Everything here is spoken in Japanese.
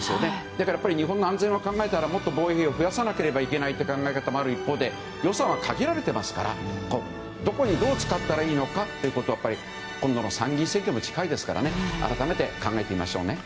だから日本の安全を考えたら防衛費を増やさなければいけないという考え方もある一方で予算は限られていますからどこにどう使えばいいか参議院選挙も近いですから改めて考えてみましょうね。